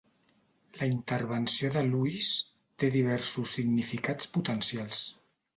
La intervenció de Luis té diversos significats potencials.